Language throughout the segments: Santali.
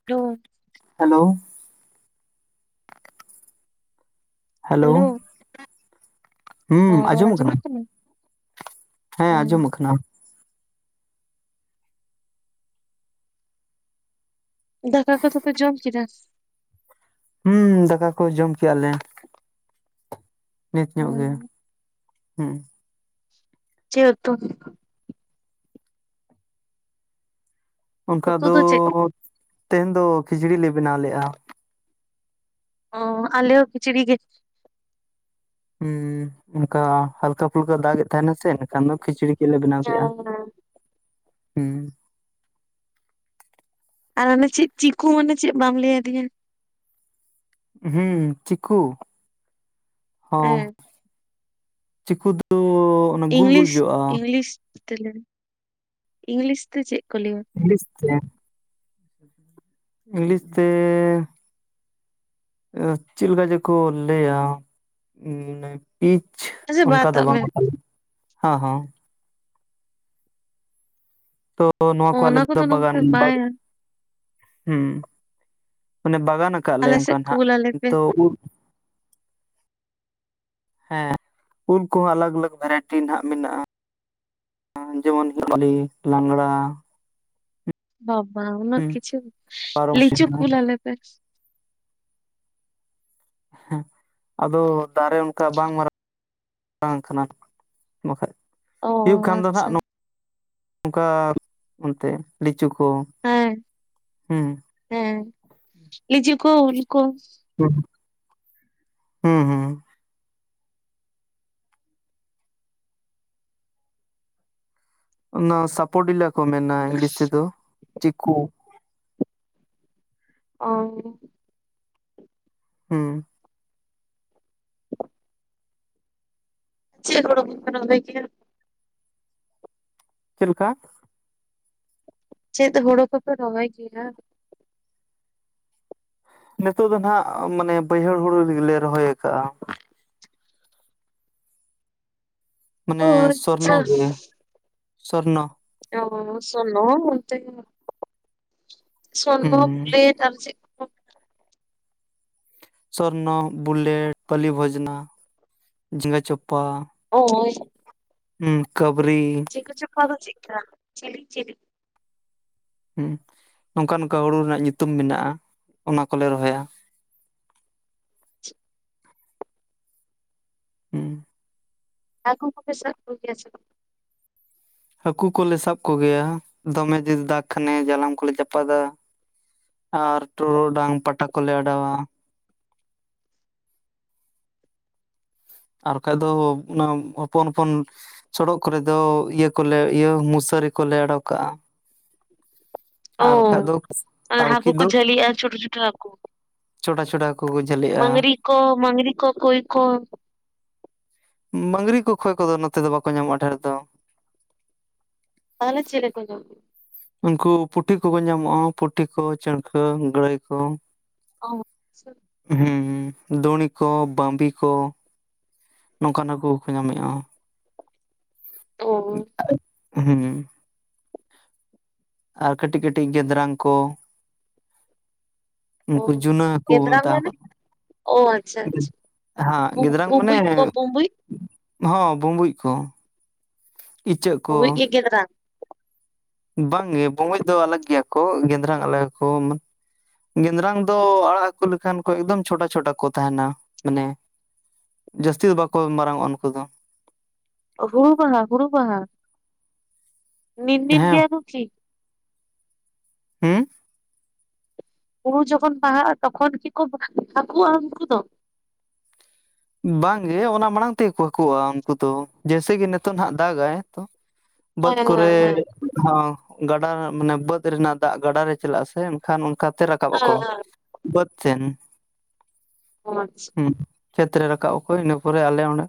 [unintelligible] ᱦᱮᱞᱳᱣ, ᱦᱮᱞᱳ ᱦᱮᱞᱳᱣ, ᱦᱩᱸ ᱨᱚᱲ ᱟᱸᱡᱚᱢ ᱠᱟᱱᱟ? ᱟᱸᱡᱚᱢᱚᱜ ᱦᱮᱸ ᱟᱸᱡᱚᱢ ᱠᱟᱱᱟ? ᱫᱟᱠᱟ ᱠᱚᱫᱚ ᱯᱮ ᱡᱚᱢ ᱠᱮᱫᱟ? ᱦᱩᱸ ᱫᱟᱠᱟ ᱠᱚ ᱡᱚᱢ ᱠᱮᱜᱼᱟᱞᱮ ᱱᱤᱛ ᱧᱚᱜ ᱜᱮᱼᱼ ᱦᱩᱸᱻ ᱪᱮᱻ ᱩᱛᱩ? ᱚᱱᱠᱟ ᱩᱛᱩ ᱫᱚ ᱪᱮᱫ? ᱛᱮᱦᱮᱧ ᱫᱚ ᱠᱷᱤᱪᱲᱤ ᱞᱮ ᱵᱮᱱᱟᱣ ᱞᱮᱫ-ᱟ ᱚᱻ ᱟᱞᱮ ᱦᱚᱸ ᱠᱷᱤᱪᱲᱤ ᱜᱮ ᱦᱩᱸ ᱚᱱᱠᱟ ᱦᱟᱞᱠᱟ ᱯᱷᱩᱞᱠᱟ ᱫᱟᱜ ᱮᱫ ᱛᱟᱦᱮᱱᱟ ᱥᱮ ᱮᱱᱟᱹᱠᱷᱟᱱ ᱫᱚ ᱠᱷᱤᱪᱲᱤ ᱜᱮᱞ ᱞᱮ ᱵᱮᱱᱟᱣ ᱠᱮᱫᱼᱟ ᱦᱩᱸ ᱟᱨ ᱚᱱᱮ ᱪᱮᱫ ᱪᱤᱻ ᱠᱩ ᱢᱟᱱᱮ ᱪᱮᱫ ᱵᱟᱢ ᱞᱟᱹᱭ ᱟᱹᱫᱤᱧᱟ? ᱦᱩᱸᱦᱩ ᱪᱤᱠᱩ ᱦᱚᱸᱻ ᱦᱮᱸ ᱪᱤᱠᱩ ᱫᱚᱼᱼ ᱤᱝᱞᱤᱥᱼᱤᱝᱞᱤᱥ ᱛᱮᱞᱮ ᱤᱝᱞᱤᱥ ᱛᱮ ᱪᱮᱫ ᱠᱚ ᱞᱟᱹᱭ ᱟ? ᱤᱝᱤᱥ ᱛᱮ ᱤᱝᱞᱤᱥ ᱛᱮᱻ ᱪᱮᱫᱮ ᱞᱮᱠᱟ ᱡᱮᱠᱚ ᱞᱟᱹᱭᱟ ᱤᱪᱷ ᱟᱪᱪᱷᱟ ᱚᱱᱠᱟ ᱵᱟᱫ ᱫᱚ ᱟᱜ ᱢᱮ᱾ ᱵᱟᱝᱛ ᱦᱚᱸ ᱦᱚᱸ ᱛᱚ ᱱᱚᱣᱟ ᱠᱚ ᱟᱞᱮ ᱚᱱᱟ ᱥᱮᱫ ᱫᱚ ᱠᱚᱫᱚ ᱵᱟᱜᱟᱱ ᱱᱚᱛᱮ ᱵᱟᱭ ᱦᱚᱸ ᱢᱟᱱᱮ ᱵᱟᱜᱟᱱᱟ ᱠᱟᱜ ᱞᱟ. ᱟᱞᱮ ᱭᱟᱢ ᱥᱮᱫ ᱠᱟᱱᱟ ᱠᱩᱞ ᱟᱞᱮ ᱦᱟᱸᱜ ᱯᱮ᱾ ᱛᱚ ᱩᱫᱼᱼ ᱦᱮᱸ ᱩᱞ ᱠᱚᱦᱚᱸ ᱟᱞᱟᱜᱽᱼᱟᱞᱟᱜᱽ ᱵᱷᱮᱨᱟᱭᱴᱤ ᱨᱮᱱᱟᱜ ᱢᱮᱱᱟᱜᱼᱟ᱾ ᱡᱮᱢᱚᱱ ᱜᱩᱫᱷᱞᱤ ᱞᱟᱝᱲᱟ ᱵᱟᱵᱟ ᱩᱱᱟᱜ ᱦᱩᱸ ᱠᱤᱪᱷᱩ ᱞᱤᱪᱩ ᱯᱟᱨᱚᱢᱥᱤᱱᱤ ᱠᱩᱞᱟᱼᱞᱮᱯᱮ ᱦᱮ ᱟᱫᱚ ᱫᱟᱨᱮ ᱚᱱᱠᱟ ᱵᱟᱝ ᱢᱟᱨᱟᱝᱼᱼ ᱵᱟᱝ ᱠᱟᱱᱟ ᱵᱟᱠᱷᱟᱡᱼᱼ ᱚ ᱦᱩᱭᱩᱜ ᱠᱷᱟᱱ ᱫᱚ ᱱᱷᱟᱜ ᱟᱪᱪᱷᱟ [inaudible] ᱱᱚᱝᱠᱟ [inaudible] ᱚᱱᱛᱮ ᱞᱤᱪᱩ ᱠᱚ ᱦᱩᱸᱻ, ᱦᱩᱸ ᱞᱤᱡᱩ ᱠᱚ ᱩᱞ ᱠᱚᱼᱼ ᱦᱩᱸ ᱦᱩᱸᱦᱩᱸ ᱚᱱᱟ ᱥᱟᱯᱳ ᱵᱤᱞᱟ ᱠᱚ ᱢᱮᱱᱟ ᱤᱝᱞᱤᱥ ᱛᱮᱫ ᱪᱤᱠᱩ ᱚᱝ ᱦᱩᱸᱻ ᱪᱮᱫ ᱜᱟᱲᱚᱢ ᱦᱩᱭᱩᱜ ᱠᱟᱱᱟ ᱞᱟ. ᱭ ᱠᱮᱜᱼᱟ ᱪᱮᱫ ᱞᱮᱠᱟ? ᱪᱮᱫ ᱦᱩᱲᱩ ᱠᱚᱯᱮ ᱨᱚᱦᱚᱭ ᱠᱮᱜ-ᱟ? ᱱᱤᱛᱚᱜ ᱫᱚ ᱱᱷᱟᱜ ᱢᱟᱱᱮ ᱵᱟᱹᱭᱦᱟᱹᱲ ᱦᱩᱲᱩ ᱨᱮᱜᱮᱞᱮ ᱨᱚᱦᱚᱭ ᱟᱠᱟᱜᱼᱟ᱾ ᱚ ᱢᱟᱱᱮ ᱥᱚᱨᱱ ᱟᱪᱪᱷᱟ ᱜᱮ ᱥᱚᱨᱱ ᱟᱵᱚ ᱦᱚᱸ ᱥᱚᱨᱱᱚ ᱚᱱᱛᱮ ᱥᱚᱨᱱᱚ ᱠᱚ ᱦᱩᱸ ᱞᱟ. ᱭᱮᱫ ᱟᱨ ᱪᱮᱫ? ᱠᱚ ᱥᱚᱨᱱᱚ, ᱵᱩᱞᱮᱴ, ᱵᱩᱞᱮᱰ, ᱯᱟᱵᱷᱚᱡᱽᱱᱟ ᱡᱷᱤᱸᱜᱟᱹ ᱪᱚᱯᱟ ᱦᱚᱭᱻᱻ ᱦᱩᱸ ᱠᱟᱹᱵᱨᱤ ᱪᱮᱫ ᱠᱚ ᱪᱚᱝ ᱟᱫᱚ ᱪᱮᱜ ᱞᱮᱠᱟ ᱟᱨ ᱪᱮᱜ ᱪᱮ? ᱦ ᱱᱚᱝᱠᱟᱼᱱᱚᱝᱠᱟ ᱦᱩᱲᱩ ᱨᱮᱱᱟᱜ ᱧᱩᱛᱩᱢ ᱢᱮᱱᱟᱜᱼᱟ ᱚᱱᱟ ᱠᱚᱞᱮ ᱨᱚᱦᱚᱭᱟ᱾ ᱦᱮᱸᱻ ᱠᱟᱴᱠᱚᱢ ᱠᱚᱯᱮ ᱥᱟᱵ ᱠᱚᱜᱮᱭᱟ ᱥᱮ ᱵᱟᱝ? ᱦᱟᱹᱠᱩ ᱠᱚᱞᱮ ᱥᱟᱵ ᱠᱚᱜᱮᱭᱟ ᱫᱚᱢᱮ ᱡᱩᱨᱮ ᱫᱟᱜᱽ ᱠᱷᱟᱱᱮ ᱡᱟᱞᱟᱢ ᱠᱚᱞᱮ ᱪᱟᱯᱟᱫᱟ ᱟᱨ ᱴᱚᱨᱚᱰᱟᱝ ᱯᱟᱴᱟ ᱠᱚᱞᱮ ᱚᱰᱟᱣᱟ᱾ ᱟᱨ ᱵᱟᱠᱟᱱᱡ ᱫᱚ ᱚᱱᱟ ᱦᱚᱯᱚᱱ ᱦᱚᱯᱚᱱ ᱥᱚᱰᱚᱜ ᱠᱚᱨᱮ ᱫᱚ ᱤᱭᱟᱹ ᱠᱚᱞᱮ ᱤᱭᱟᱹ ᱢᱚᱥᱟᱨᱤ ᱠᱚᱞᱮ ᱟᱰᱚᱠ ᱠᱟᱜᱼᱟ᱾ ᱚ ᱟᱨ ᱵᱟᱠᱟᱱᱡ ᱫᱚ ᱟᱨ ᱟᱨᱠᱟ. ᱦᱟᱹᱠᱩ ᱠᱚ ᱫᱚ ᱡᱷᱟᱹᱞᱤᱜᱼᱟ ᱪᱷᱳᱴᱳ ᱪᱷᱳᱴᱳ ᱦᱟᱹᱠᱩ ᱪᱷᱚᱴᱟᱼᱪᱷᱚᱴᱟ ᱠᱚ ᱡᱷᱟᱹᱞᱤᱜ-ᱟ᱾ ᱰᱟᱝᱨᱤ ᱠᱚ ᱢᱟᱝᱨᱤ ᱠᱚ ᱠᱩᱭ ᱠᱚ ᱢᱟᱹᱝᱨᱤ ᱠᱚ ᱠᱷᱚᱭ ᱠᱚᱫᱚ ᱱᱚᱛᱮ ᱫᱚ ᱵᱟᱠᱚ ᱧᱟᱢᱚᱜᱼᱟ ᱰᱷᱮᱨ ᱫᱚ, ᱛᱟᱦᱞᱮ ᱪᱮᱞᱮ ᱠᱚ ᱡᱚᱢ [inaudible] ᱩᱱᱠᱩ ᱯᱩᱴᱷᱤ ᱠᱚᱠᱚ ᱧᱟᱢᱚᱜᱼᱟ ᱯᱩᱴᱷᱤ ᱠᱚ, ᱪᱟᱺᱲᱠᱟᱹ, ᱜᱟᱹᱲᱟᱹᱭ ᱠᱚ᱾ ᱚᱸ ᱟᱪᱪᱷᱟ᱾ ᱦᱩᱸᱻ ᱦᱩᱸ, ᱫᱩᱲᱤ ᱠᱚ, ᱵᱟᱢᱵᱤ ᱠᱚ᱾ ᱱᱚᱝᱠᱟᱱ ᱦᱟᱠᱩ ᱠᱚ ᱧᱟᱢ‌ᱮᱜ-ᱟ᱾ [inaudible] ᱦᱩᱸ᱾ ᱟᱨ ᱠᱟᱹᱴᱤᱡ ᱠᱟᱹᱴᱤᱡ ᱜᱮᱫᱽᱨᱟᱝ ᱠᱚ, ᱩᱱᱠᱩ ᱡᱩᱱᱟᱹ ᱦᱟᱹᱠᱩ ᱜᱮᱫᱽᱨᱟᱝ ᱢᱮᱛᱟ ᱢᱟᱱᱮ ᱠᱚᱣᱟ ᱚ ᱟᱪᱪᱷᱟ ᱾ ᱟᱪᱪᱷᱟ [inaudible] ᱦᱟᱸ ᱵᱩ ᱜᱮᱫᱽᱨᱟᱝ ᱢᱟᱱᱮ ᱵᱩᱸᱵᱩᱡ ᱠᱚ ᱵᱩᱸᱵᱩᱡ ᱦᱚᱸ ᱵᱩᱸᱵᱩᱡ ᱠᱚ, ᱤᱪᱟᱹᱜ ᱠᱚ ᱜᱮᱫᱽᱨᱟ? ᱵᱟᱝ ᱜᱮ ᱵᱚᱸᱢᱩᱡᱽ ᱫᱚ ᱟᱞᱟᱜᱽ ᱜᱮᱭᱟ ᱠᱚ ᱜᱮᱸᱫᱽᱨᱟᱝ ᱟᱞᱟᱜᱽ ᱟᱠᱚ ᱜᱮᱸᱫᱽᱨᱝ ᱫᱚ ᱟᱲᱟᱜ ᱦᱟᱹᱠᱩ ᱞᱮᱠᱷᱟᱱ ᱠᱚ ᱮᱠᱫᱚᱢ ᱪᱷᱳᱴᱟ ᱪᱷᱳᱴᱟ ᱠᱚ ᱛᱟᱦᱮᱸᱱᱟ, ᱢᱟᱱᱮ ᱡᱟᱹᱥᱛᱤ ᱫᱚ ᱵᱟᱠᱚ ᱢᱟᱨᱟᱝᱚᱜᱼᱟ ᱱᱩᱠᱩ ᱫᱚ, ᱦᱩᱲᱩ ᱵᱟᱦᱟ ᱦᱩᱲᱩ ᱵᱟᱦᱟ, ᱢᱤᱱ ᱢᱤᱱ ᱦᱮᱸ ᱜᱮᱭᱟ ‌ᱠᱚ ᱠᱤ? ᱦᱩᱸ? ᱦᱩᱲᱩ ᱡᱚᱠᱷᱚᱱ ᱵᱟᱦᱟᱜᱼᱟ ᱛᱚᱠᱷᱚᱱ ᱠᱤ ᱠᱚ ᱦᱟᱹᱠᱩᱜᱼᱟ ᱩᱱᱠᱩ ᱫᱚ? ᱵᱟᱝ ᱜᱮ ᱚᱱᱟ ᱢᱟᱲᱟᱝ ᱛᱮᱜᱮ ᱠᱚ ᱦᱟᱹᱠᱩᱜᱼᱟ ᱩᱱᱠᱩ ᱫᱚ, ᱡᱮᱭᱥᱮ ᱠᱤ ᱱᱤᱛᱚᱜ ᱱᱟᱦᱟᱜ ᱫᱟᱜᱟᱭ ᱛᱚ ᱦᱮᱸ ᱵᱟᱹᱫᱽ ᱦᱮᱸ ᱦᱮᱸ ᱠᱚᱨᱮ, ᱦᱚᱸ ᱜᱟᱰᱟ ᱢᱟᱱᱮ ᱵᱟᱹᱫᱽ ᱨᱮᱱᱟᱜ ᱫᱟᱜ ᱜᱟᱰᱟᱨᱮ ᱪᱟᱞᱟᱜ-ᱟ ᱥᱮ ᱮᱱᱠᱷᱟᱱ ᱚᱝᱠᱟ ᱛᱮ ᱨᱟ ᱠᱟᱵ ᱟᱠᱚ, ᱦᱮᱸ ᱦᱮᱸ ᱵᱟᱹᱫᱽ ᱥᱮᱱ᱾ ᱚ ᱟᱪᱪᱷ ᱦᱩᱸ, ᱠᱷᱮᱛ ᱨᱮ ᱨᱟᱠᱟᱵ ᱟᱠᱚ ᱤᱱᱟᱹ ᱯᱚᱨᱮ ᱟᱞᱮ ᱚᱸᱰᱮ,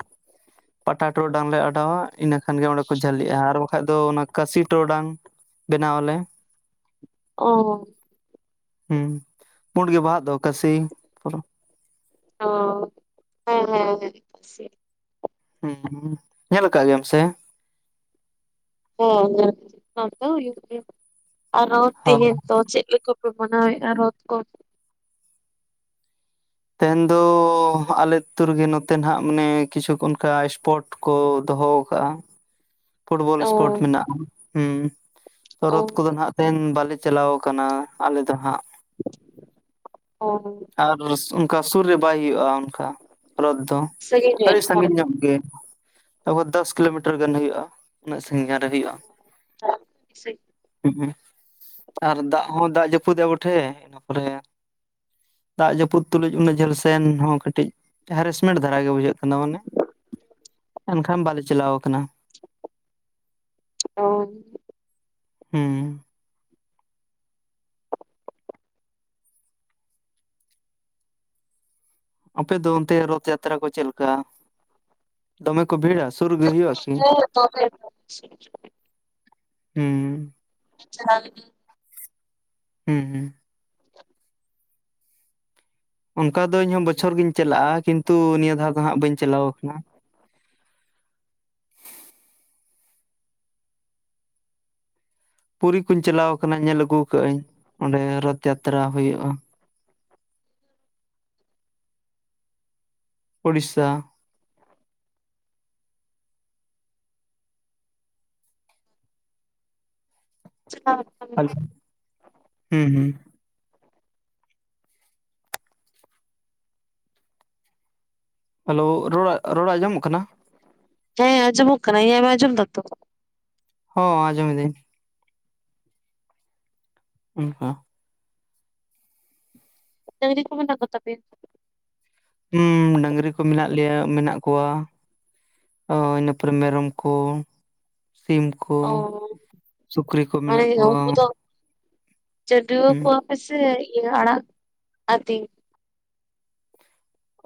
ᱯᱟᱴᱟ ᱴᱚᱨᱚᱰᱟᱝ ᱞᱮ ᱟᱰᱟᱣᱟ, ᱤᱱᱟᱹ ᱠᱷᱟᱱ ᱜᱮ ᱚᱸᱰᱮ ᱠᱚ ᱡᱷᱟᱹᱞᱤᱜᱼᱟ, ᱟᱨ ᱵᱟᱠᱷᱟᱡ ᱫᱚ ᱚᱱᱟ ᱠᱟᱥᱤ ᱴᱚᱨᱰᱟᱝ ᱵᱮᱱᱟᱣᱟᱞᱮ, ᱚᱻ᱾ ᱦᱩᱸ, ᱯᱩᱸᱰ ᱜᱮ ᱵᱟᱦᱟᱜ ᱫᱚ ᱠᱟᱹᱥᱤ ᱯᱩᱨᱟᱹ, ᱚ, ᱦᱮᱸ ᱦᱮᱸ ᱦᱮᱸ ᱦᱮᱸ ᱠᱟᱹᱥᱤ᱾ ᱦᱩᱸᱻ, ᱧᱮᱞ ᱠᱟᱜ ᱜᱮᱭᱟᱢ ᱥᱮ? ᱦᱮᱸ ᱧᱮᱞ ᱠᱤᱫᱤᱧ ᱱᱚᱱᱛᱮ ᱦᱚᱸ ᱦᱩᱭᱩᱜ ᱜᱮᱭᱟ, ᱟᱨᱚ ᱦᱚᱸ ᱛᱮᱦᱮᱧ ᱫᱚ ᱪᱮᱫ [inaudible] ᱠᱚ ᱢᱟᱱᱟᱣᱮᱜ-ᱟ ᱨᱚᱛ ᱠᱚ? ᱛᱮᱦᱮᱧ ᱫᱚ ᱟᱞᱮ ᱟᱹᱛᱩ ᱨᱮᱜᱮ ᱱᱚᱛᱮ ᱱᱟᱦᱟᱜ ᱢᱟᱱᱮ ᱠᱤᱪᱷᱩ ᱠᱚ ᱚᱱᱠᱟ ᱤᱥᱯᱚᱴ ᱠᱚ ᱫᱚᱦᱚ ᱠᱟᱜᱼᱟ, ᱯᱷᱩᱴᱵᱚᱞ ᱚ ᱤᱥᱯᱚᱴ ᱢᱮᱱᱟᱜᱼᱟ ᱦᱩᱸ ᱚ ᱨᱚᱛ ᱠᱚᱫᱚ ᱱᱟᱦᱟᱜ ᱛᱮᱦᱮᱧ ᱵᱟᱞᱮ ᱪᱟᱞᱟᱣ ᱠᱟᱱᱟ ᱟᱞᱮ ᱫᱚ ᱦᱟᱸᱜ ᱚ ᱟᱨ ᱚᱱᱠᱟ ᱥᱩᱨ ᱨᱮ ᱵᱟᱭ ᱦᱳᱭᱳᱜᱼᱟ ᱚᱱᱠᱟ ᱨᱚᱛ ᱫᱚ, ᱥᱟᱺᱜᱤᱧ ᱨᱮ ᱟᱹᱲᱤ ᱦᱮᱸ ᱥᱟᱺᱜᱤᱧ ᱧᱚᱜ ᱜᱮ ᱟᱵᱚ ᱫᱚᱥ ᱠᱤᱞᱳᱢᱤᱴᱟᱨ ᱜᱟᱱ ᱦᱩᱭᱩᱜ-ᱟ ᱩᱱᱟᱹᱜ ᱥᱟᱺᱜᱤᱧ ᱨᱮ ᱦᱳᱭᱳᱼᱟ, [unintelligible] ᱦᱩᱸᱜ-ᱩ ᱟᱨ ᱫᱟᱜ ᱦᱚᱸ ᱫᱟᱜ ᱡᱟᱹᱯᱩᱫ ᱮᱫᱟ ᱵᱩᱴᱷᱮ ᱤᱱᱟᱹ ᱯᱚᱨᱮ ᱜᱮ, ᱫᱟᱜ ᱡᱟᱹᱯᱩᱫ ᱛᱩᱞᱩᱡ ᱩᱱᱟᱹᱜ ᱡᱷᱟᱹᱞ ᱥᱮᱱ ᱦᱚᱸ ᱠᱟᱹᱴᱤᱡ, ᱦᱮᱨᱮᱥᱢᱮᱱᱴ ᱫᱷᱟᱨᱟ ᱜᱮ ᱵᱩᱡᱷᱟᱹᱜ ᱠᱟᱱᱟ ᱢᱟᱱᱮ ᱮᱱᱠᱷᱟᱱ ᱵᱟᱞᱮ ᱪᱟᱞᱟᱣ ᱟᱠᱟᱱᱟ, ᱚ ᱦᱩᱸ ᱟᱯᱮ ᱫᱚ ᱚᱱᱛᱮ ᱨᱚᱛᱷ ᱡᱟᱛᱨᱟ ᱠᱚ ᱪᱮᱫ ᱞᱮᱠᱟ ᱫᱚᱢᱮ ᱠᱚ ᱵᱷᱤᱲᱟ ᱥᱮ ᱥᱩᱨ ᱨᱮ ᱜᱮ ᱦᱩᱭᱩᱜᱼᱟ ᱠᱤ ᱦᱩᱸ ᱦᱮ ᱪᱟᱞᱟᱣ ᱞᱤᱱᱤᱧ, ᱦᱩᱸ ᱦᱩᱸ [unintelligible] ᱚᱱᱠᱟ ᱫᱚ ᱤᱧ ᱦᱚᱸ ᱵᱚᱪᱷᱚᱨ ᱜᱤᱧ ᱪᱟᱞᱟᱜᱼᱟ ᱠᱤᱱᱛᱩ ᱱᱤᱭᱟᱹ ᱫᱷᱟᱣ ᱫᱚ ᱦᱟᱸᱜ ᱵᱟᱹᱧ ᱪᱟᱞᱟᱣ ᱟᱠᱟᱱᱟ, ᱯᱩᱨᱤ ᱠᱩᱧ ᱪᱟᱞᱟᱣ ᱟᱠᱟᱱᱟ ᱧᱮᱞ ᱟᱹᱜᱩ ᱟᱹᱜᱩ ᱠᱟᱜ ᱟᱹᱧ ᱚᱸᱰᱮ ᱨᱚᱛᱷ ᱡᱟᱛᱨᱟ ᱦᱩᱭᱩᱜᱼᱟ, ᱳᱰᱤᱥᱥᱟ᱾ [unintelligible] ᱟᱪᱪᱷᱟ [unintelligible] ᱦᱩᱸ ᱦᱩᱸ ᱦᱮᱞᱳ ᱨᱚᱲ ᱨᱚᱲ ᱟᱸᱡᱚ ᱢᱚᱜ ᱠᱟᱱᱟ᱾ ᱦᱮᱸ ᱟᱸᱡᱚᱢᱚᱜ ᱠᱟᱱᱟ ᱤᱧᱟᱜ ᱮᱢ ᱟᱸᱡᱚᱢ ᱫᱟ ᱛᱚ, ᱦᱚᱸ ᱟᱸᱡᱚᱢ ᱮᱫᱤᱧ, ᱚᱱᱠᱟ ᱰᱟᱝᱨᱤ ᱠᱩ ᱢᱮᱱᱟᱜ ᱠᱚ ᱛᱟᱯᱮᱭᱟ, ᱦᱩᱸ ᱰᱟᱹᱝᱨᱤ ᱠᱚ ᱢᱮᱱᱟᱜ ᱞᱮᱭᱟ ᱢᱮᱱᱟᱜ ᱠᱚᱣᱟ, ᱚ, ᱤᱱᱟᱹ ᱯᱚᱨᱮ ᱢᱮᱨᱚᱢ ᱠᱚ ᱥᱤᱢ ᱥᱤᱢ ᱠᱚ ᱚ ᱥᱩᱠᱨᱤ ᱠᱚ ᱢᱟᱱᱮ ᱢᱮᱱᱟᱜ ᱠᱚᱣᱟ, ᱩᱱᱠᱩ ᱫᱚ ᱪᱟᱹᱰᱣᱟᱹ ᱦᱩᱸ ᱠᱚᱣᱟᱯᱮ ᱥᱮ ᱤᱭᱟᱹ ᱟᱲᱟᱜ ᱟᱹᱛᱤᱧ,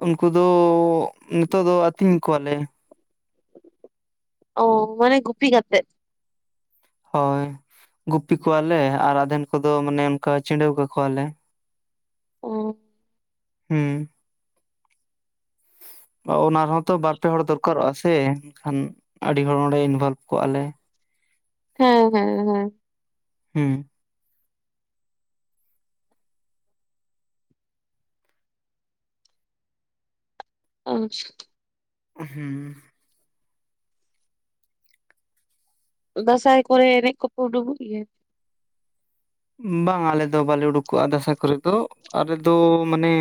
ᱩᱱᱠᱩ ᱫᱚ ᱱᱤᱛᱚᱜ ᱫᱚ ᱟᱹᱛᱤᱧ ᱠᱚᱣᱟᱞᱮ, ᱚ, ᱢᱟᱱᱮ ᱜᱩᱯᱤ ᱠᱟᱛᱮᱜ ᱦᱚᱭ ᱜᱩᱯᱤ ᱠᱚᱣᱟᱞᱮ ᱟᱨ ᱟᱫᱷᱮᱱ ᱠᱚᱫᱚ ᱢᱟᱱᱮ ᱚᱱᱠᱟ ᱪᱟᱹᱰᱤᱟᱹᱣ ᱠᱟᱠᱚᱣᱟᱞᱮ, ᱚ ᱦᱩᱸ ᱚᱱᱟ ᱨᱮ ᱦᱚᱸ ᱛᱚ ᱵᱟᱨ ᱯᱮ ᱦᱚᱲ ᱫᱚᱨᱠᱟᱨᱚᱜᱼᱟ ᱥᱮ ᱮᱱᱠᱷᱟᱱ ᱟᱹᱰᱤ ᱦᱚᱲ ᱚᱸᱰᱮ ᱤᱱᱵᱷᱚᱞᱵᱷ ᱠᱚᱜᱼᱟ ᱞᱮ, ᱦᱮᱸ ᱦᱮᱸ ᱦᱮᱸ, ᱦᱩᱸ ᱟᱪᱷᱟ, ᱦᱩᱸ, ᱫᱟᱸᱥᱟᱭ ᱠᱚᱨᱮ ᱮᱱᱮᱡ ᱠᱚᱯᱮ ᱩᱸᱰᱩᱜᱚᱜ ᱜᱮᱭᱟ, ᱵᱟᱝ ᱟᱞᱮ ᱫᱚ ᱵᱟᱞᱮ ᱩᱰᱩᱠᱚᱜᱼᱟ ᱫᱟᱸᱥᱟᱭ ᱠᱚᱨᱮ ᱫᱚ ᱟᱞᱮ ᱫᱚ ᱢᱟᱱᱮ,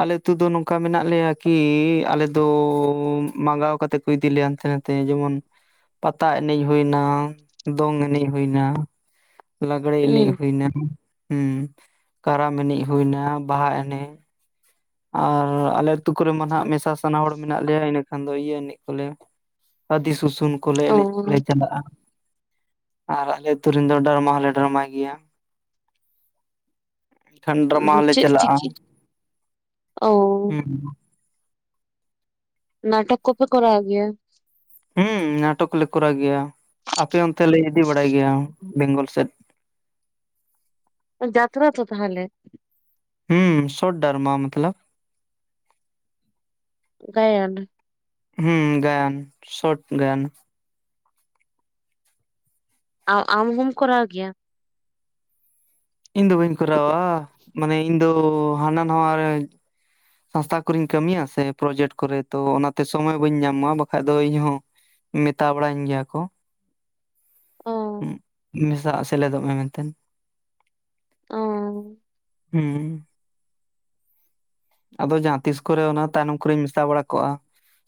ᱟᱞᱮ ᱩᱛᱩ ᱫᱚ ᱱᱚᱝᱠᱟ ᱢᱮᱱᱟᱜ ᱞᱮᱭᱟ ᱠᱤ ᱟᱞᱮ ᱫᱚ ᱢᱟᱸᱜᱟᱣ ᱠᱟᱛᱮ ᱠᱚ ᱤᱫᱤ ᱞᱮ ᱦᱟᱱᱛᱮ, ᱛᱮ ᱡᱮᱢᱚᱱ ᱯᱟᱛᱟ ᱮᱱᱮᱡ ᱦᱩᱭᱱᱟ ᱫᱚᱝ ᱮᱱᱮᱡ ᱦᱩᱭ ᱮᱱᱟ, ᱞᱟᱜᱽᱲᱮ ᱮᱱᱮᱡ ᱦᱩᱸ ᱦᱩᱭᱱᱟ ᱦᱮᱸ ᱠᱟᱨᱟᱢ ᱮᱱᱮᱡ ᱦᱩᱭ ᱮᱱᱟ ᱵᱟᱦᱟ ᱮᱱᱮᱡ, ᱟᱨ ᱟᱞᱮ ᱟᱹᱛᱩ ᱠᱚᱨᱮᱢᱟ ᱱᱟᱜ ᱢᱮᱥᱟ ᱥᱟᱱᱟ ᱦᱚᱲ ᱢᱮᱱᱟᱜ ᱞᱮᱭᱟ ᱤᱱᱟᱹᱠᱷᱟᱱ ᱫᱚ ᱤᱭᱟᱹ ᱮᱱᱮᱡ ᱞᱟᱹᱭᱟ᱾ ᱟᱫᱤ ᱥᱩᱥᱩᱱ ᱠᱚᱞᱮ ᱮᱱᱮᱡ ᱚ ᱞᱮ ᱪᱟᱞᱟᱜ-ᱟ᱾ ᱟᱨ ᱟᱞᱮ ᱟᱹᱛᱩ ᱨᱮᱱ ᱫᱚ ᱰᱟᱨᱢᱟ ᱦᱚᱸᱞᱮ ᱰᱟᱨᱢᱟᱭ ᱜᱮᱭᱟ᱾ ᱮᱱᱷᱟᱱ ᱰᱟᱨᱢᱟ ᱦᱚᱸᱞᱮ ᱪᱮᱫ ᱪᱟᱞᱟᱜ-ᱟ᱾ ᱪᱤᱠᱤ ᱚ ᱦᱩᱸ᱾ ᱱᱟᱴᱚᱠ ᱠᱚᱯᱮ ᱠᱚᱨᱟᱣ ᱜᱮᱭᱟ? ᱦᱩ ᱱᱟᱴᱚᱠ ᱠᱚᱞᱮ ᱠᱚᱨᱟᱣ ᱜᱮᱭᱟ ᱟᱯᱮ ᱚᱱᱛᱮ ᱞᱮ ᱤᱫᱤ ᱵᱟᱲᱟᱭ ᱜᱮᱭᱟ ᱵᱮᱝᱜᱚᱞ ᱥᱮᱫ᱾ ᱡᱟᱛᱨᱟ ᱛᱚ ᱛᱟᱦᱚᱞᱮ? ᱦᱩᱸ ᱥᱚᱴ ᱰᱟᱨᱢᱟ ᱢᱚᱛᱞᱚᱵ᱾ ᱜᱟᱭᱟᱱ᱾ ᱦᱩᱸ ᱜᱟᱭᱟᱱ ᱥᱚᱴ ᱜᱟᱭᱟᱱ᱾ ᱟᱢ ᱟᱢ ᱦᱚᱢ ᱠᱚᱨᱟᱣ ᱜᱮᱭᱟ? ᱤᱧ ᱫᱚ ᱵᱟᱹᱧ ᱠᱚᱨᱟᱣᱟ ᱢᱟᱱᱮ ᱤᱧ ᱫᱚ ᱦᱟᱱᱟ ᱱᱟᱣᱟ ᱨᱮ ᱥᱚᱝᱥᱛᱷᱟ ᱠᱚᱨᱮᱧ ᱠᱟᱹᱢᱤᱭᱟ ᱥᱮ ᱯᱨᱚᱡᱮᱠᱴ ᱠᱚᱨᱮ ᱛᱚ ᱚᱱᱟᱛᱮ ᱥᱚᱢᱚᱭ ᱵᱟᱹᱧ ᱧᱟᱢᱟ ᱵᱟᱠᱷᱟᱡ ᱫᱚ ᱤᱧᱦᱚᱸ ᱢᱮᱛᱟ ᱵᱟᱲᱟᱹᱧ ᱜᱮᱭᱟ ᱠᱚ᱾ ᱚ ᱢᱮᱥᱟᱜ ᱥᱮᱞᱮᱫᱚᱜ ᱢᱮᱱᱛᱮᱱ᱾ ᱚᱻ ᱦᱩ᱾ ᱟᱫᱚ ᱡᱟᱦᱟᱸ ᱛᱤᱥ ᱠᱚᱨᱮ ᱚᱱᱟ ᱛᱟᱭᱱᱚᱢ ᱠᱚᱨᱮᱧ ᱢᱮᱥᱟ ᱵᱟᱲᱟ ᱠᱚᱜ-ᱟ᱾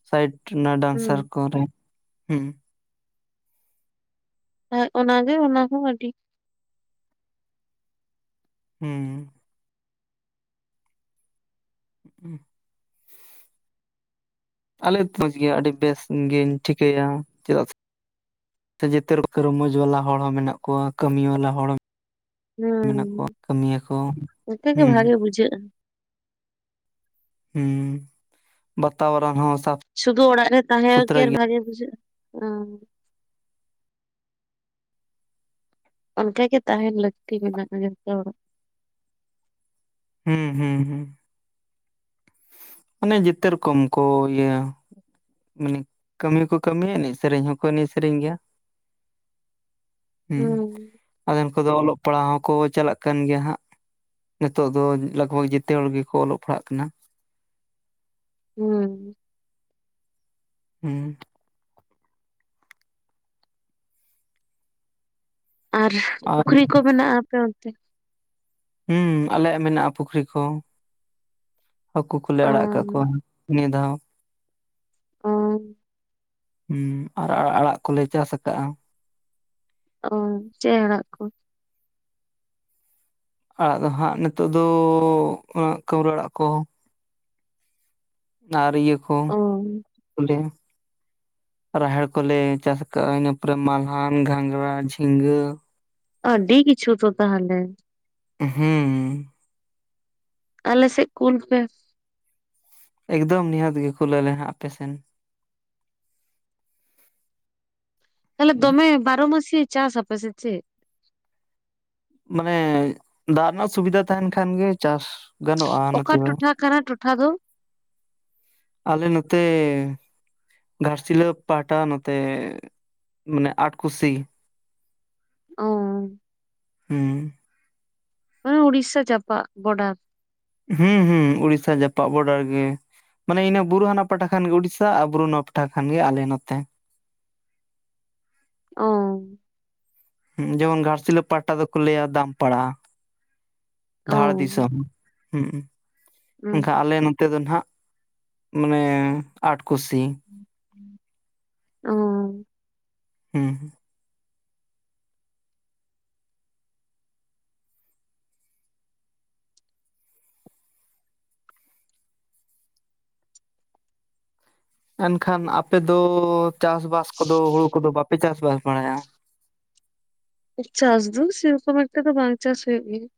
ᱥᱟᱭᱤᱰ ᱨᱮᱱᱟᱜ ᱦᱩᱸ ᱰᱟᱱᱥᱟᱨ ᱠᱚᱨᱮ ᱦᱩᱸ᱾ ᱦᱮᱸ ᱚᱱᱟᱜᱮ ᱚᱱᱟ ᱦᱚ ᱟᱹᱰᱤ᱾ ᱦᱩ᱾ [unintelligible] ᱟᱞᱮ ᱢᱚᱡᱽ ᱜᱮ ᱟᱹᱰᱤ ᱵᱮᱥᱜᱤᱧ ᱴᱷᱤᱠᱟᱹᱭᱟ ᱪᱮᱫᱟᱜ ᱥᱮ ᱡᱮᱛᱮ ᱨᱚᱠ ᱨᱚᱢᱚᱡ ᱵᱟᱞᱟ ᱦᱚᱲ ᱦᱚᱸ ᱢᱮᱱᱟᱜ ᱠᱚᱣᱟ ᱠᱟᱹᱢᱤ ᱵᱟᱞᱟ ᱦᱚᱲ ᱢᱮᱱᱟᱜ ᱠᱚᱣᱟ ᱦᱩᱸ ᱠᱟᱹᱢᱤᱭᱟᱠᱚ ᱦᱩᱸ᱾ ᱵᱩᱡᱷᱟᱹᱜ-ᱟ᱾ ᱦᱩᱸ ᱵᱟᱛᱟᱣ ᱨᱟᱱ ᱦᱚᱸ ᱥᱟᱛ᱾ ᱥᱩᱫᱩ ᱚᱲᱟᱜ ᱨᱮ ᱛᱟᱦᱮᱸ ᱠᱤ ᱟᱨ ᱵᱷᱟᱜᱮ ᱵᱩᱡᱷᱟᱹᱜ-ᱟ᱾ [unintelligible] ᱚᱱᱠᱟᱜ ᱜᱮ ᱛᱟᱦᱮᱱ ᱞᱟᱹᱠᱛᱤ ᱢᱮᱱᱟᱜ-ᱟ ᱡᱷᱚᱛᱚ ᱦᱚᱲᱟᱜ᱾ ᱦᱩᱸ ᱦᱩᱸ ᱦᱩᱸ᱾ ᱚᱱᱮ ᱡᱮᱛᱚ ᱨᱚᱠᱚᱢ ᱠᱚ ᱜᱮᱭᱟ᱾ ᱢᱟᱱᱮ ᱠᱟᱹᱢᱤ ᱦᱚᱸᱠᱚ ᱠᱟᱹᱢᱤᱭᱟ ᱮᱱᱮᱡ ᱥᱮᱨᱮᱧ ᱦᱚᱸᱠᱚ ᱮᱱᱮᱡ ᱥᱮᱨᱮᱧ ᱜᱮᱭᱟ᱾ ᱦᱩᱸ ᱟᱫᱟ ᱱᱩᱠᱩ ᱫᱚ ᱚᱞᱚᱜ ᱯᱟᱲᱦᱟᱜ ᱦᱚᱸᱠᱚ ᱪᱟᱞᱟᱜ ᱠᱟᱱ ᱜᱮᱭᱟ ᱦᱟᱜ᱾ ᱱᱤᱛᱚᱜ ᱫᱚ ᱞᱟᱜᱽᱵᱷᱟᱜᱽ ᱡᱮᱛᱚ ᱦᱚᱲ ᱜᱮᱠᱚ ᱚᱞᱚᱜ ᱯᱟᱲᱦᱟᱜ ᱠᱟᱱᱟ᱾ ᱦᱩᱸ᱾ ᱦᱩᱸ᱾ ᱟᱨ ᱯᱩᱠᱷᱨᱤ ᱠᱚ ᱢᱮᱱᱟᱜ-ᱟ ᱟᱯᱮ ᱚᱱᱛᱮ? ᱦᱩᱸ ᱟᱞᱮᱭᱟᱜ ᱢᱮᱱᱟᱜ-ᱟ ᱯᱩᱠᱷᱨᱤ ᱠᱚ᱾ ᱦᱟᱹᱠᱩ ᱠᱚᱞᱮ ᱚ ᱟᱲᱟᱜ ᱠᱟᱜ ᱠᱚᱣᱟ ᱱᱤᱭᱟᱹ ᱫᱷᱟᱣ ᱦᱚ᱾ ᱦᱩᱸ᱾ ᱦᱩᱸ ᱟᱨ ᱟᱲᱟᱜ ᱠᱚᱞᱮ ᱪᱟᱥ ᱟᱠᱟᱜ-ᱟ᱾ ᱚ ᱪᱮᱜ ᱟᱲᱟᱜ ᱠᱚ? ᱟᱲᱟᱜ ᱫᱚ ᱦᱟᱜ ᱱᱤᱛᱚᱜ ᱫᱚ ᱠᱟᱹᱣᱨᱟᱹ ᱟᱲᱟᱜ ᱠᱚ᱾ ᱟᱨ ᱤᱭᱟᱹ ᱠᱚ ᱚ [unintelligible] ᱨᱟᱦᱮᱲ ᱠᱚᱞᱮ ᱪᱟᱥ ᱟᱠᱟᱜ-ᱟ ᱤᱱᱟᱹ ᱯᱚᱨᱮ ᱢᱟᱞᱦᱟᱱ, ᱜᱷᱟᱸᱝᱨᱟ, ᱡᱷᱤᱸᱜᱟᱹ᱾ ᱟᱹᱰᱤ ᱠᱤᱪᱷᱩ ᱛᱚ ᱛᱟᱦᱞᱮ? ᱦᱩᱸ, ᱟᱞᱮᱥᱮᱫ ᱠᱩᱞ ᱯᱮ᱾ ᱮᱠᱫᱚᱢ ᱱᱤᱦᱟᱹᱛ ᱜᱮ ᱠᱷᱩᱞᱟᱹᱞᱮ ᱦᱟᱜ ᱟᱯᱮᱥᱮᱱ᱾ [inaudible] ᱛᱟᱦᱚᱞᱮ ᱫᱚᱢᱮ ᱵᱟᱨᱚ ᱢᱟᱹᱥᱤᱭᱟᱹ ᱪᱟᱥ ᱟᱯᱮ ᱥᱮ ᱪᱮᱫ? ᱢᱟᱱᱮ ᱫᱟᱜ ᱨᱮᱱᱟᱜ ᱥᱩᱵᱤᱫᱷᱟ ᱛᱟᱦᱮᱱ ᱠᱷᱟᱱ ᱜᱤ ᱪᱟᱥ ᱜᱟᱱᱚᱜᱼᱟ ᱚᱠᱟ ᱱᱚᱛᱮ ᱫᱚ ᱴᱚᱴᱷᱟ ᱠᱟᱱᱟ ᱴᱚᱴᱷᱟ ᱫᱚ? ᱟᱞᱮ ᱱᱚᱛᱮ ᱜᱷᱟᱴᱥᱤᱞᱟᱹ ᱯᱟᱦᱴᱟ ᱱᱚᱛᱮ ᱢᱟᱱᱮ ᱟᱴ ᱠᱩᱥᱤ ᱚᱻ ᱦᱩᱸ ᱢᱟᱱᱮ ᱩᱲᱤᱥᱟ ᱡᱟᱯᱟᱜ ᱵᱚᱰᱟᱨ ᱦᱩᱸ ᱦᱩᱸ ᱩᱲᱤᱥᱟ ᱡᱟᱯᱟᱜ ᱵᱚᱰᱟᱨ ᱜᱮ ᱢᱟᱱᱮ ᱤᱱᱟᱹ ᱵᱩᱨᱩ ᱦᱟᱱᱟ ᱯᱟᱦᱴᱟ ᱠᱷᱟᱱ ᱜᱮ ᱩᱲᱤᱥᱟ ᱟᱨ ᱵᱩᱨᱩ ᱱᱚᱣᱟ ᱯᱟᱦᱴᱟ ᱠᱷᱟᱱ ᱜᱮ ᱟᱞᱮ ᱱᱚᱛᱮ ᱚᱻ ᱡᱮᱢᱚᱱ ᱜᱷᱟᱴᱥᱤᱞᱟ. ᱯᱟᱦᱴᱟ ᱫᱚ ᱠᱚ ᱞᱟᱹᱭᱟ ᱫᱟᱢᱯᱟᱲᱟ ᱫᱷᱟᱲ ᱚ ᱫᱤᱥᱚᱢ ᱦᱩᱸ ᱮᱱᱠᱷᱟᱡ ᱟᱞᱮ ᱱᱚᱛᱮ ᱫᱚ ᱱᱟᱦᱟᱸᱜ ᱢᱟᱱᱮ ᱟᱴᱠᱩᱥᱤ ᱚᱻ ᱦᱩᱸᱦᱩᱸ ᱮᱱᱠᱷᱟᱱ ᱟᱯᱮ ᱫᱚ ᱪᱟᱥ-ᱵᱟᱥ ᱠᱚ ᱫᱚ ᱦᱚᱲᱩ ᱠᱚ ᱫᱚ ᱵᱟᱯᱮ ᱪᱟᱥ-ᱵᱟᱥ ᱵᱟᱲᱟᱭᱟ ᱪᱟᱥ ᱫᱩ ᱥᱮ ᱨᱚᱠᱚᱢ ᱮᱠᱴᱟ ᱫᱚ ᱵᱟᱝ ᱪᱟᱥ ᱦᱩᱭᱩᱜ ᱜᱮᱭᱟ᱾